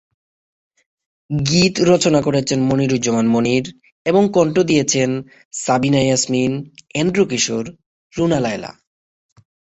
গীত রচনা করেছেন মনিরুজ্জামান মনির এবং কণ্ঠ দিয়েছেন সাবিনা ইয়াসমিন, এন্ড্রু কিশোর, রুনা লায়লা।